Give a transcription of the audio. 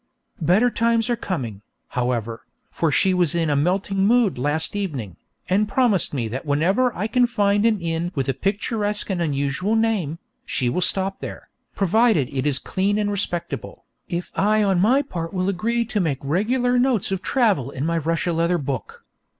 Better times are coming, however, for she was in a melting mood last evening, and promised me that wherever I can find an inn with a picturesque and unusual name, she will stop there, provided it is clean and respectable, if I on my part will agree to make regular notes of travel in my Russia leather book.